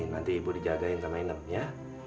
nanti ibu dijagain sama inam ya